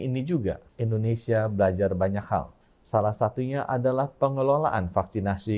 ini juga indonesia belajar banyak hal salah satunya adalah pengelolaan vaksinasi